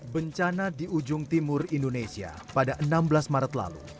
bencana di ujung timur indonesia pada enam belas maret lalu